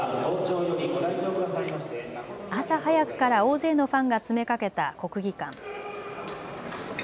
朝早くから大勢のファンが詰めかけた国技館。